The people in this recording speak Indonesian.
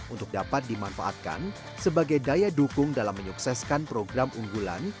untuk dapat dimanfaatkan sebagai daya dukung dalam menyukseskan program unggulan